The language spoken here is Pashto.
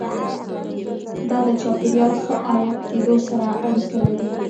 دا د چاپیریال ښه عایق کېدو سره اړیکه لري.